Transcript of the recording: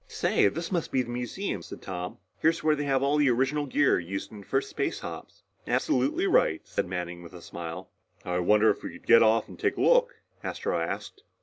"Say, this must be the museum," said Tom. "Here's where they have all the original gear used in the first space hops." "Absolutely right," said Manning with a smile. "I wonder if we could get off and take a look?" Astro asked.